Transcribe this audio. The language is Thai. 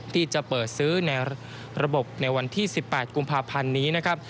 ที่จะเปิดซื้อในระบบในวันที่๑๘กุมภาพันธ์นี้นะครับ